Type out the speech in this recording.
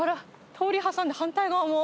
通り挟んで反対側も。